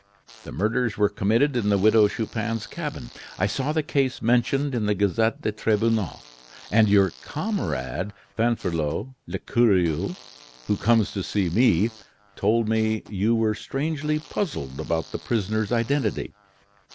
The murders were committed in the Widow Chupin's cabin. I saw the case mentioned in the 'Gazette des Tribunaux,' and your comrade, Fanferlot l'Ecureuil, who comes to see me, told me you were strangely puzzled about the prisoner's identity.